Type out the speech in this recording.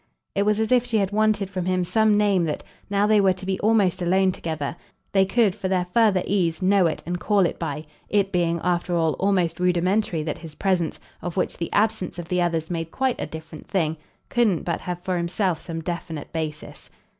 It was as if she had wanted from him some name that, now they were to be almost alone together, they could, for their further ease, know it and call it by it being, after all, almost rudimentary that his presence, of which the absence of the others made quite a different thing, couldn't but have for himself some definite basis.